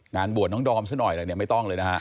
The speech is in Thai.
งานบวชน้องดอมซะหน่อยแหละเนี่ย